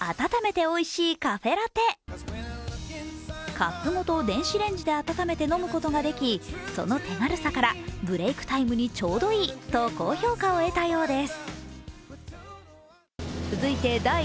カップごと電子レンジで温めて飲むことができその手軽さからブレイクタイムにちょうどいいと高評価を得たようです。